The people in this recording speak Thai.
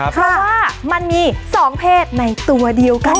เพราะว่ามันมี๒เพศในตัวเดียวกัน